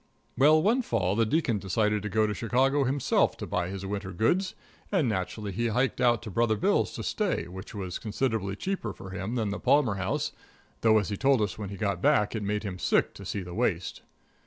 Well, one fall the Deacon decided to go to Chicago himself to buy his winter goods, and naturally he hiked out to Brother Bill's to stay, which was considerable cheaper for him than the Palmer House, though, as he told us when he got back, it made him sick to see the waste.